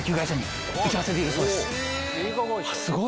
すごい！